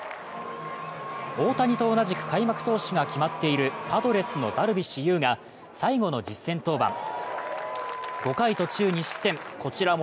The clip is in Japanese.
大谷と同じく開幕投手が決まっているパドレスのダルビッシュ有が最後の実戦登板。